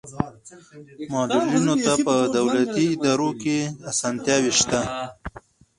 معلولینو ته په دولتي ادارو کې اسانتیاوې شته.